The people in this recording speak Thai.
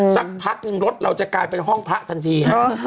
สักพักหนึ่งรถเราจะกลายเป็นห้องพระทันที